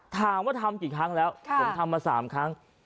ถามว่าทำกี่ครั้งแล้วผมทำมา๓ครั้ง